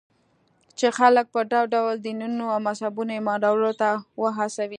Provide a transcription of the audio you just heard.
چې خلک پر ډول ډول دينونو او مذهبونو ايمان راوړلو ته وهڅوي.